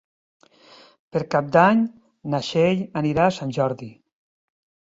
Per Cap d'Any na Txell anirà a Sant Jordi.